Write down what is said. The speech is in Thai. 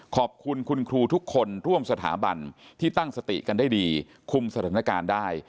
ขอบคุณคุณครูทุกคนร่วมสถาบันที่ตั้งสติกันได้ดีคุมสถานการณ์ได้